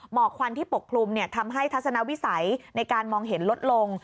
กควันที่ปกคลุมทำให้ทัศนวิสัยในการมองเห็นลดลง